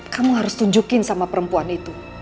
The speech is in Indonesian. kamu harus tunjukin sama perempuan itu